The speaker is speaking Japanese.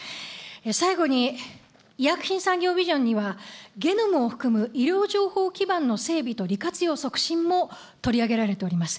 最後に、医薬品産業ビジョンには、ゲノムを含む医療情報基盤の整備と利活用促進も取り上げられております。